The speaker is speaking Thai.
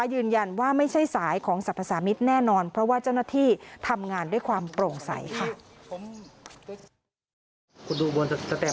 ยืนยันว่าไม่ใช่สายของสรรพสามิตรแน่นอนเพราะว่าเจ้าหน้าที่ทำงานด้วยความโปร่งใสค่ะ